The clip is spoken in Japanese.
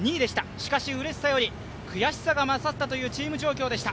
しかし、うれしさより悔しさが勝ったというチーム状況でした。